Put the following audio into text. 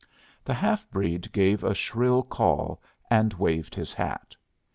The half breed gave a shrill call, and waved his hat.